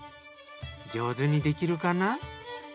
上手にできるかな？